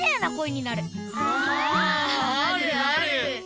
ああるある！